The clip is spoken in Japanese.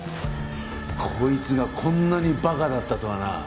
こいつがこんなに馬鹿だったとはな。